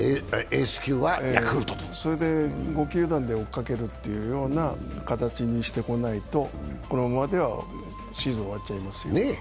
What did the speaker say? それで５球団で追いかけるというような形にしていかないとこのままではシーズン終わっちゃいますよ。